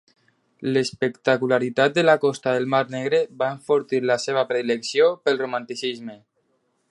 L'espectacularitat de la costa del Mar Negre va enfortir la seva predilecció pel romanticisme.